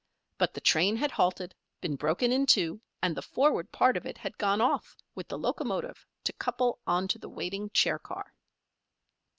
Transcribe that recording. But the train had halted, been broken in two, and the forward part of it had gone off with the locomotive to couple on to the waiting chair car.